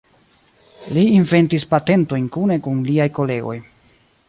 Li inventis patentojn kune kun liaj kolegoj.